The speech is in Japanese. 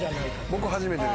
僕初めてでした。